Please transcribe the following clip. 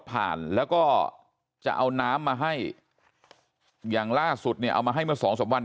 ผ่านแล้วก็จะเอาน้ำมาให้อย่างล่าสุดเนี่ยเอามาให้เมื่อสองสามวัน